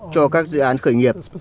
cho các dự án khởi nghiệp